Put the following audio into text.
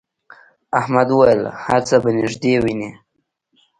احمد وویل هر څه به نږدې ووینې.